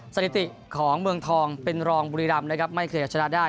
สถิติของเมืองทองเป็นรองบุรีรำนะครับไม่เคยเอาชนะได้